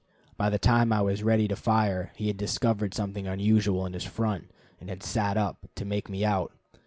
By the time I was ready to fire he had discovered something unusual in his front, and had "sat up" to make me out.